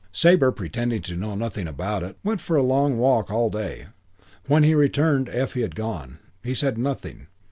Sabre, pretending to know nothing about it, went for a long walk all day. When he returned Effie had gone. He said nothing.